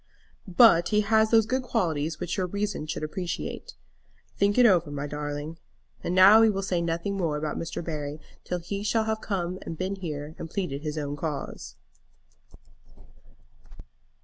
"But he has those good qualities which your reason should appreciate. Think it over, my darling. And now we will say nothing more about Mr. Barry till he shall have been here and pleaded his own cause."